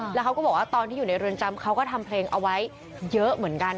แล้วเขาก็บอกว่าตอนที่อยู่ในเรือนจำเขาก็ทำเพลงเอาไว้เยอะเหมือนกัน